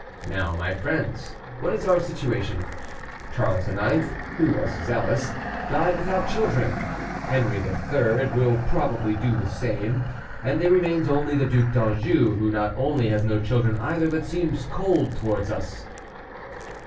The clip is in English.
Now, my friends, what is our situation? Charles IX., who was zealous, died without children; Henri Ill. will probably do the same, and there remains only the Duc d'Anjou, who not only has no children either, but seems cold towards us."